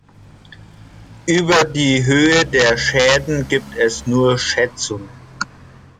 Über die Höhe der Schäden gibt es nur Schätzungen.